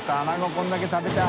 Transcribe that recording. これだけ食べたい。